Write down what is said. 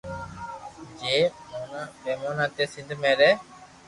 جي موٽا پيمونا تي سندھ مي رھي